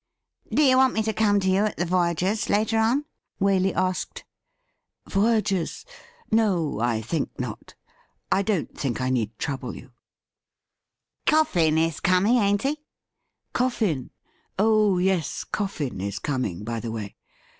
' Do you want me to come to you at the Voyagers' later on ? Waley asked. ' Voyagers' ? No, I think not ; I don't think I need trouble you,' THE RIDDLE RING ^ Coffin is coming, ain't he ?'* Coffin ? Oh yes, Coffin is coming, by the way.